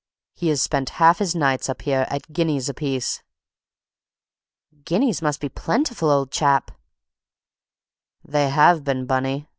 He has spent half his nights up here, at guineas apiece." "Guineas must be plentiful, old chap!" "They have been, Bunny.